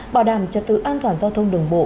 bảo đảm trật tự an toàn giao thông đường bộ